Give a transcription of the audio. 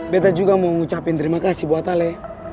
betta juga mau ngucapin terima kasih buat ale